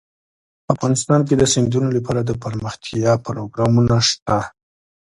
افغانستان کې د سیندونه لپاره دپرمختیا پروګرامونه شته.